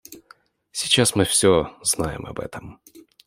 Сейчас мы все знаем об этом.